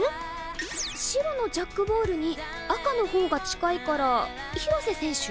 白のジャックボールに赤の方が近いから廣瀬選手？